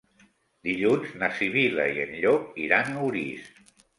Dilluns na Sibil·la i en Llop iran a Orís.